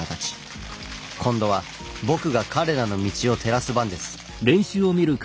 今度は僕が彼らの道を照らす番です。